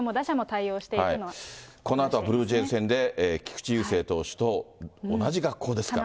随時、このあとはブルージェイズ戦で、菊池雄星投手と同じ学校ですからね。